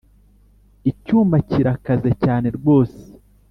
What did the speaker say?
icyuma kirakaze cyane rwose.